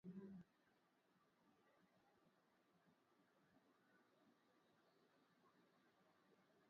Jimbo la Uislamu ilidai kuwa wanachama wake waliwauwa takribani wakristo ishirini.